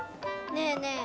ねえねえ